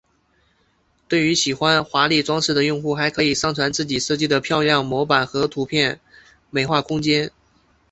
对于喜欢华丽装饰的用户还可以上传自己设计的漂亮模板和图片美化空间。